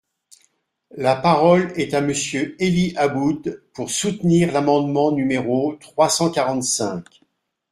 La parole est à Monsieur Élie Aboud, pour soutenir l’amendement numéro trois cent quarante-cinq.